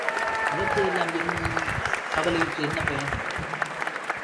அவற்றை எல்லாம் எண்ணி இனிக் கவலையுற்று என்ன பயன்?